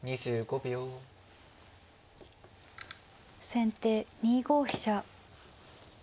先手２五飛車。